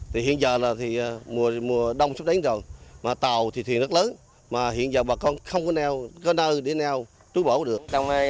thì hiện giờ là mùa đông sắp đến rồi mà tàu thì thuyền rất lớn mà hiện giờ bà con không có neo có nơi để neo trú bổ được